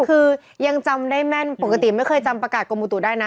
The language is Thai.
คือยังจำได้แม่นปกติไม่เคยจำประกาศกรมอุตุได้นะ